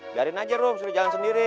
biarin aja rom sudah jalan sendiri